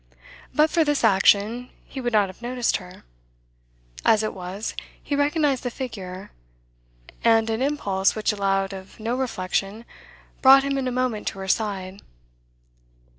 But for this action, he would not have noticed her; as it was, he recognised the figure, and an impulse which allowed of no reflection brought him in a moment to her side.